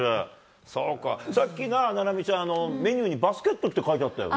そうか、さっきな、菜波ちゃん、メニューにバスケットって書いてあったよな。